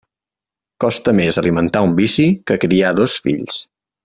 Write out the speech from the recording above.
Costa més alimentar un vici que criar dos fills.